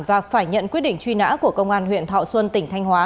và phải nhận quyết định truy nã của công an huyện thọ xuân tỉnh thanh hóa